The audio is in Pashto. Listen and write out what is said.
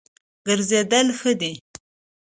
ګرځېدل ښه دی.